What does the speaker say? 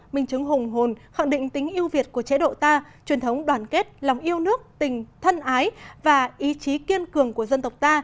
minh chứng hùng hồn khẳng định tính yêu việt của chế độ ta truyền thống đoàn kết lòng yêu nước tình thân ái và ý chí kiên cường của dân tộc ta